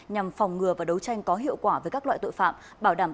nhằm phòng ngừa và đấu tranh có hiệu quả với các loại tội phạm